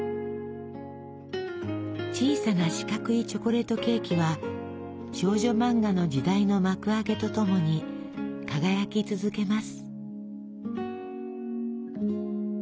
小さな四角いチョコレートケーキは少女漫画の時代の幕開けとともに輝き続けます。